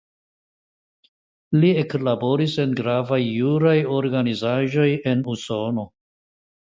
Li eklaboris en gravaj juraj organizaĵoj en Usono.